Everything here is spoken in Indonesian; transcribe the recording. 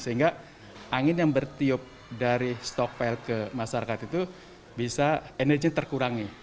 sehingga angin yang bertiup dari stockpile ke masyarakat itu bisa energinya terkurangi